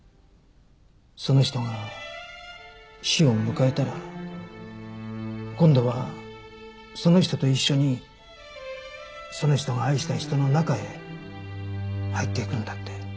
その人が死を迎えたら今度はその人と一緒にその人が愛した人の中へ入っていくんだって。